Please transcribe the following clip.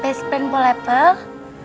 past plan boleh peh